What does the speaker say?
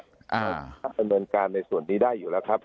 ดำเนินการในส่วนนี้ได้อยู่แล้วครับ